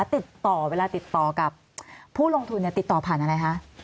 ติดต่อเวลาติดต่อกับผู้ลงทุนติดต่อผ่านอะไรคะ